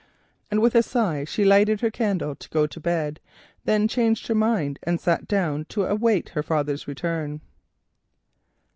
And with a sigh she lighted her candle to go to bed, then changed her mind and sat down to await her father's return.